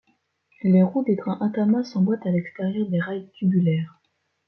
Les roues des trains Intamin s'emboîtent à l'extérieur des rails tubulaires.